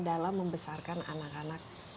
dalam membesarkan anak anak